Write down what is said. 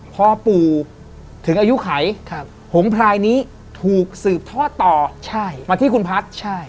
พอปู่ถึงอายุไขหงพลายนี้ถูกสืบทอดต่อมาที่คุณพัฒน์